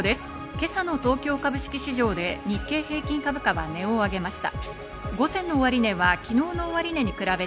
今朝の東京株式市場で日経平均株価は値を上げました。